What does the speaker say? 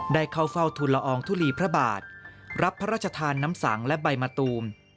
ได้เข้าเฝ้าทุนละอองทุลีพระบาทรับพระราชทานน้ำสังและใบมะตูม